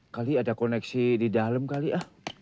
kali ada koneksi di dalam kali ya